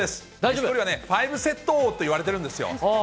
錦織は５セット王っていわれてるんですよ。